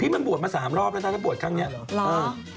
พี่มันบวชมา๓รอบแล้วถ้าจะบวชทางนี้